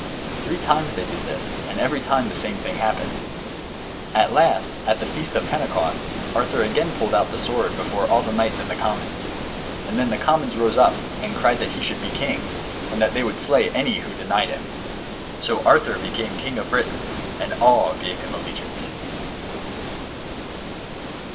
Three times they did this, and every time the same thing happened. At last, at the feast of Pentecost, Arthur again pulled out the sword before all the knights and the commons. And then the commons rose up and cried that he should be king, and that they would slay any who denied him. So Arthur became king of Britain, and all gave him allegiance.